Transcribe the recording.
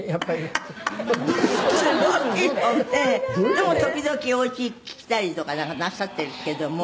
「でも時々お家来たりとかなんかなさってるけども」